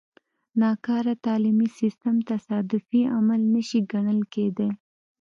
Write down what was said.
ناکاره تعلیمي سیستم تصادفي عمل نه شي ګڼل کېدای.